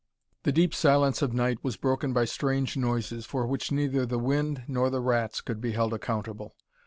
The deep silence of night was broken by strange noises for which neither the wind nor the rats could be held accountable.